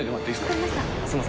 分かりました。